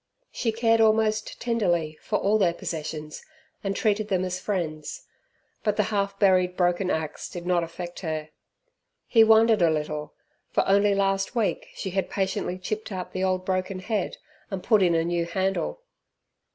She cared almost tenderly for all their possessions and treated them as friends. But the half buried broken axe did not affect her. He wondered a little, for only last week she had patiently chipped out the old broken head, and put in a new handle.